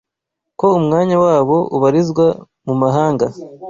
ko umwanya wabo ubarizwa mu mahanga